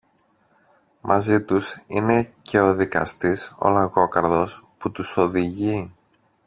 Μαζί τους είναι και ο δικαστής ο Λαγόκαρδος που τους οδηγεί